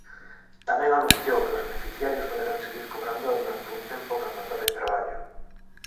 Tamén anunciou que os beneficiarios poderán seguir cobrándoa durante un tempo cando atopen traballo.